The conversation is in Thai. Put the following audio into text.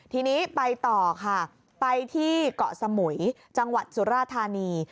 ทีนี้ไปต่อค่ะไปที่เกาะสมุยจังหวัดสุราธานี